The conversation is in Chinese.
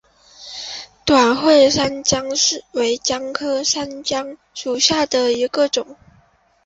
短穗山姜为姜科山姜属下的一个种。